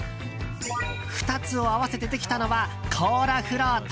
２つを合わせてできたのはコーラフロート。